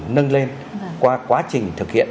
nâng lên qua quá trình thực hiện